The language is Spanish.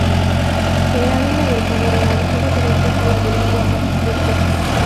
El águila y el pavo real son referencias a la dinastía Habsburgo.